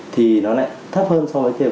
thì nó lại thấp hơn so với